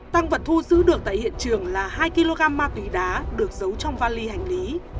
tăng vật thu giữ được tại hiện trường là hai kg ma túy đá được giấu trong vali hành lý